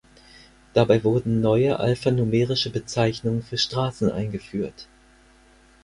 Dabei wurden neue alphanumerische Bezeichnungen für Straßen eingeführt.